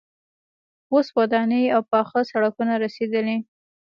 اوس ودانۍ او پاخه سړکونه رسیدلي.